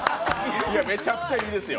めちゃくちゃいいですよ